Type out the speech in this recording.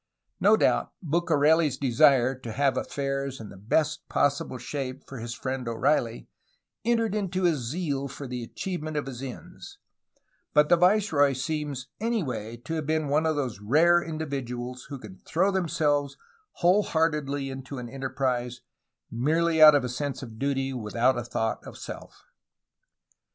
No doubt BucareH's desire to have affairs in the best possible shape for his friend O'Reilly entered into his zeal for the achievement of his ends, but the viceroy seems anyway to have been one of those rare individuals who can throw themselves whole heartedly into an enterprise, merely out of a sense of duty, without a thought of self.